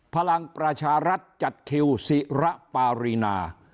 พลังประชารัฐจัดคิวศิระปารีนา